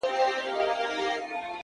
تا بدرنگۍ ته سرټيټی په لېونتوب وکړ ـ